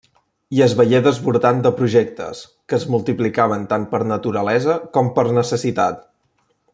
I es veié desbordant de projectes, que es multiplicaven tant per naturalesa, com per necessitat.